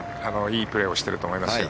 いいプレーをしていると思います。